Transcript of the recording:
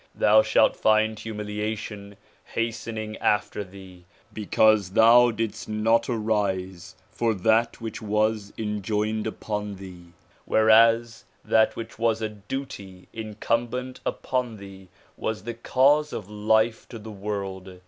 Thou shalt find humiliation hastening after thee because thou didst not arise for that which was enjoined upon thee, whereas that which was a duty incumbent upon thee was the cause of life to the world.